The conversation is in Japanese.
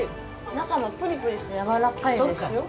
中もプリプリしてやわらかいですよ。